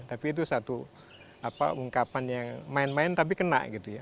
tapi itu satu ungkapan yang main main tapi kena gitu ya